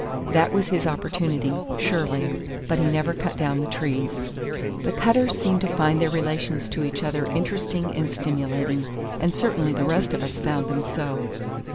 That was his opportunity, surely; but he never cut down the trees. The Cutters seemed to find their relations to each other interesting and stimulating, and certainly the rest of us found them so.